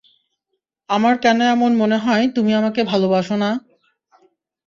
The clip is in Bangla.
আমার কেন এমন মনে হয় তুমি আমাকে ভালোবাসো না?